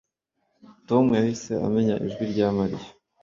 Tom yahise amenya ijwi rya Mariya